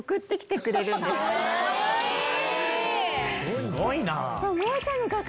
すごいな。